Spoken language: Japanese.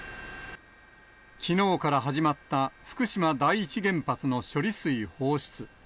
きのうから始まった福島第一原発の処理水放出。